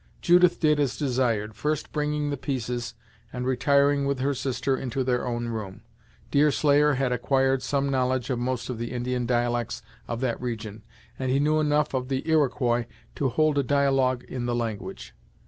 Judith did as desired, first bringing the pieces, and retiring with her sister into their own room. Deerslayer had acquired some knowledge of most of the Indian dialects of that region, and he knew enough of the Iroquois to hold a dialogue in the language.